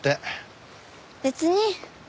別に。